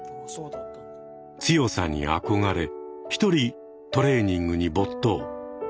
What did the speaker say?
強さに憧れ一人トレーニングに没頭。